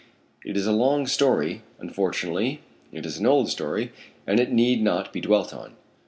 It is a long story; unfortunately it is an old story, and it need not be dwelt on.